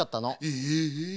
ええ。